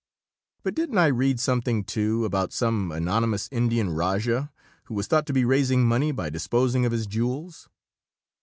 "But didn't I read something, too, about some anonymous Indian rajah who was thought to be raising money by disposing of his jewels?"